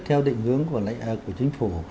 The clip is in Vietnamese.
theo định hướng của chính phủ